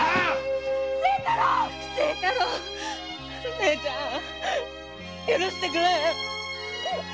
姉ちゃん許してくれ！